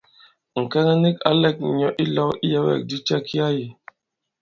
Ŋ̀kɛŋɛ nik ǎ lɛ̄k ŋ̀nyɔ̌ ilɔ̄w iyɛ̄wɛ̂kdi cɛ ki ā yī.